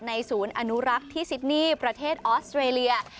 ศูนย์อนุรักษ์ที่ซิดนี่ประเทศออสเตรเลีย